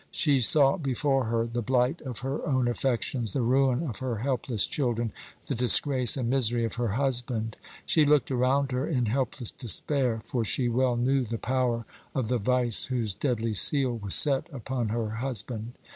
She saw before her the blight of her own affections, the ruin of her helpless children, the disgrace and misery of her husband. She looked around her in helpless despair, for she well knew the power of the vice whose deadly seal was set upon her husband.